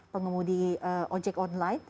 pengemudi ojek online